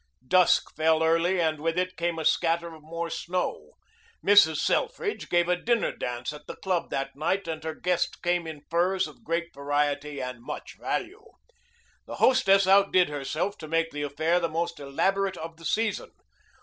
Dusk fell early and with it came a scatter of more snow. Mrs. Selfridge gave a dinner dance at the club that night and her guests came in furs of great variety and much value. The hostess outdid herself to make the affair the most elaborate of the season.